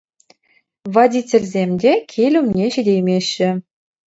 Водительсем те кил умне ҫитеймеҫҫӗ.